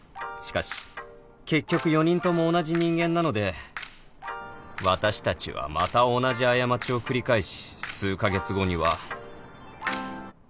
しかし結局４人とも同じ人間なので私たちはまた同じ過ちを繰り返し数か月後には